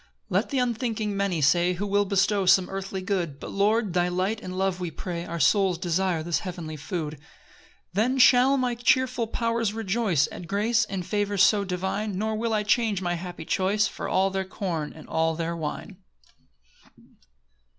5 Let the unthinking many say, "Who will bestow some earthly good?" But, Lord, thy light and love we pray, Our souls desire this heavenly food. 6 Then shall my cheerful powers rejoice At grace and favour so divine; Nor will I change my happy choice For all their corn and all their wine.